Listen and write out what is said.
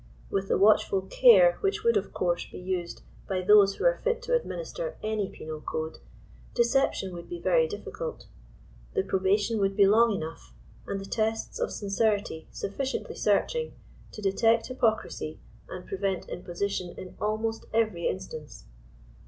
With the watchful care which would of course be used by those who are fit to administer any penal code, decep tion would be very difficult. The probation would be long enough, and the tests of sincerity sufficiently searching, to de tect hypocrisy and prevent imposition in almost every instance.